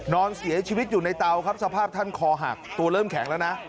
นอนเสียชีวิตอยู่ในเตาครับสภาพท่านคอหักตัวเริ่มแข็งแล้วนะ